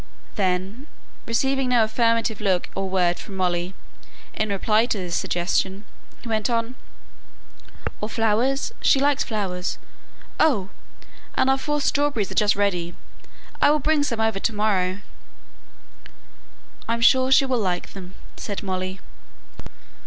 Then, receiving no affirmative look or word from Molly in reply to this suggestion, he went on, "Or flowers? she likes flowers. Oh! and our forced strawberries are just ready I will bring some over to morrow." "I am sure she will like them," said Molly.